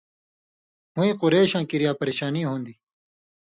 ہُوۡیں قُرېشاں کِریا پریۡشانی ہُون٘دیۡ،